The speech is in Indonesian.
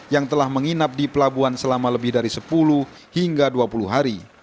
yang telah menginap di pelabuhan selama lebih dari sepuluh hingga dua puluh hari